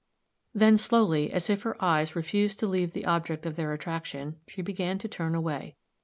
Then, slowly, as if her eyes refused to leave the object of their attraction, she began to turn away.